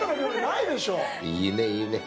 いいねぇ、いいねぇ。